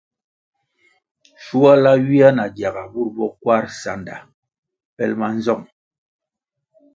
Shuala ywia na gyaga bur bo Kwarʼ sanda pelʼ ma nzong.